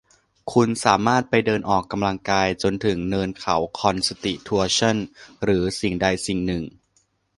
คุณสามารถไปเดินออกกำลังกายจนถึงเนินเขาคอนสติทิวชั่นหรือสิ่งใดสิ่งหนึ่ง